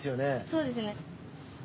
そうですね。